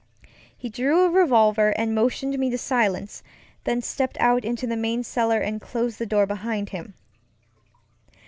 He drew a revolver and motioned me to silence, then stepped out into the main cellar and closed the door behind him.